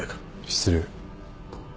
失礼。